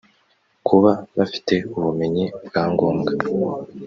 kuba bafite ubumenyi bwagombwa